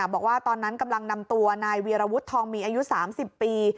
บอกว่าตอนนั้นกำลังนำตัวนายวีรวุฒิทองมีอายุ๓๐ปี